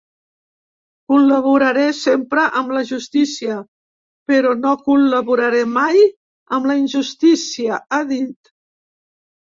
Col·laboraré sempre amb la justícia, però no col·laboraré mai amb la injustícia, ha dit.